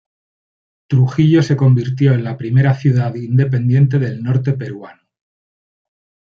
Trujillo se convirtió en la primera ciudad independiente del norte peruano.